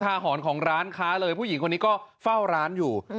หอนของร้านค้าเลยผู้หญิงคนนี้ก็เฝ้าร้านอยู่